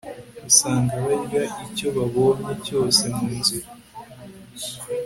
usanga barya icyo babonye cyose mu nzira